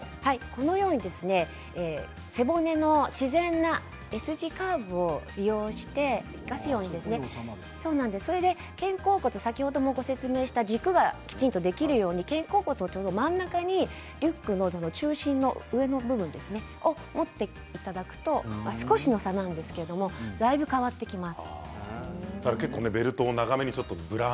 このように背骨の自然なＳ字カーブを利用して、肩甲骨、軸がきちんとできるように肩甲骨の真ん中にリュックを中心に上の部分ですね持っていただくと少しの差なんですけどだいぶ変わってきます。